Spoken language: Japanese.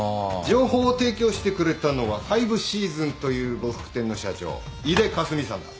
情報を提供してくれたのはファイブシーズンという呉服店の社長井手香澄さんだ。